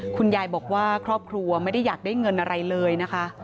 คุณยายบอกว่าครอบครัวไม่ได้อยากได้เงินอะไรเลยนะคะ